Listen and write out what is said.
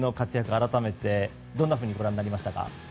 改めてどんなふうにご覧になりましたか？